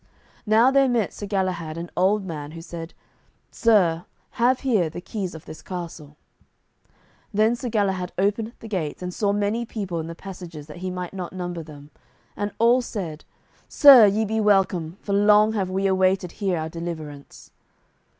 Now there met Sir Galahad an old man, who said, "Sir, have here the keys of this castle." Then Sir Galahad opened the gates, and saw so many people in the passages that he might not number them, and all said, "Sir, ye be welcome, for long have we awaited here our deliverance."